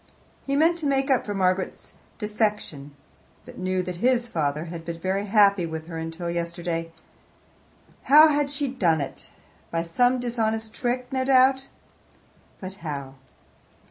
He meant to make up for Margaret's defection, but knew that his father had been very happy with her until yesterday. How had she done it? By some dishonest trick, no doubt but how?